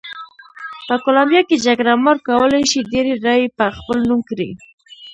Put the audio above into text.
په کولمبیا کې جګړه مار کولای شي ډېرې رایې په خپل نوم کړي.